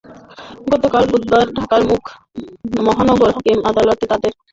গতকাল বুধবার ঢাকার মুখ্য মহানগর হাকিম আদালত তাঁদের কারাগারে পাঠানোর আদেশ দেন।